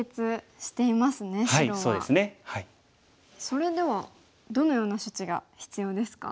それではどのような処置が必要ですか？